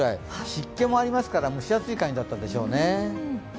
湿気もありますから、蒸し暑い感じだったんでしょうね。